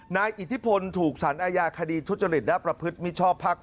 อิทธิพลถูกสารอาญาคดีทุจริตและประพฤติมิชชอบภาค๒